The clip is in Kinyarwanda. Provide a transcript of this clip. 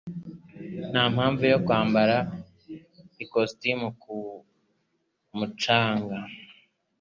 Nta mpamvu yo kwambara ikositimu ku mucanga.